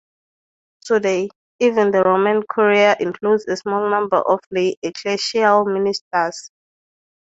Today, even the Roman Curia includes a small number of lay ecclesial ministers.